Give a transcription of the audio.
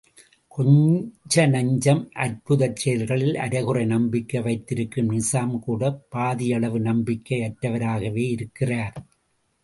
கொஞ்ச நஞ்சம் அற்புதச் செயல்களில் அரைகுறை நம்பிக்கை வைத்திருக்கும் நிசாம் கூடப் பாதியளவு நம்பிக்கை யற்றவராகவேயிருக்கிறார்.